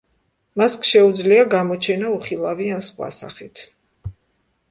მას შეუძლია გამოჩენა, უხილავი ან სხვა სახით.